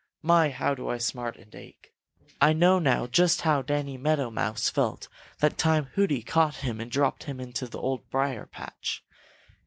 My, how I do smart and ache! I know now just how Danny Meadow Mouse felt that time Hooty caught him and dropped him into the Old Briar patch.